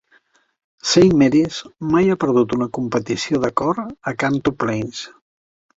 Saint Mary's mai ha perdut una competició de cor a Kanto Plains.